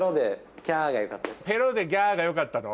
ペロで「ギャ」がよかったの？